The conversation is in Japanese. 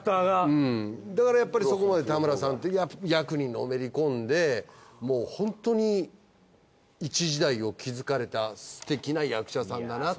うんだからやっぱりそこまで田村さんって役にのめりこんでもうホントに一時代を築かれたすてきな役者さんだなって。